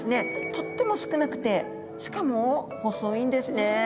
とっても少なくてしかも細いんですね。